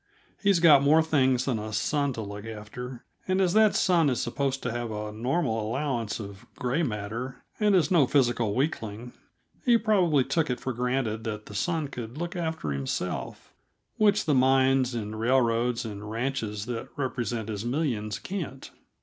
He's got more things than a son to look after, and as that son is supposed to have a normal allowance of gray matter and is no physical weakling, he probably took it for granted that the son could look after himself which the mines and railroads and ranches that represent his millions can't.